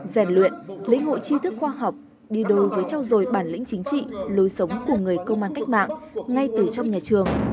giảm luyện lấy ngộ trí thức khoa học đi đôi với trao dồi bản lĩnh chính trị lối sống của người công an cách mạng ngay từ trong nhà trường